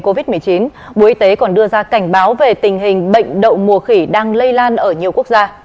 covid một mươi chín bộ y tế còn đưa ra cảnh báo về tình hình bệnh đậu mùa khỉ đang lây lan ở nhiều quốc gia